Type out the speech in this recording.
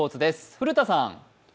古田さん。